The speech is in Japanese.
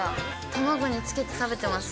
卵につけて食べてます。